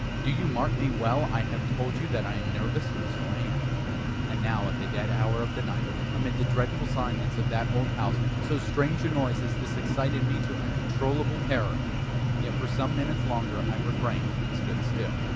do you mark me well I have told you that I am nervous: so I am. And now at the dead hour of the night, amid the dreadful silence of that old house, so strange a noise as this excited me to uncontrollable terror. Yet, for some minutes longer I refrained and stood still.